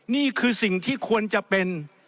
นี่คือสิ่งที่ควรจะเป็น